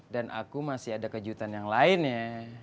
dan aku masih ada kejutan yang lainnya